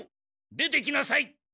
出てきなさい。